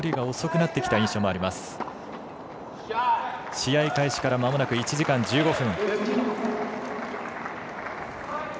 試合開始からまもなく１時間１５分。